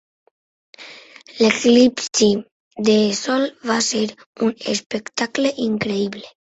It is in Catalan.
L'eclipsi de sol va ser un espectacle increïble.